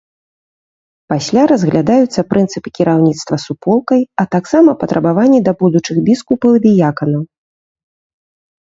Пасля разглядаюцца прынцыпы кіраўніцтва суполкай, а таксама патрабаванні да будучых біскупаў і дыяканаў.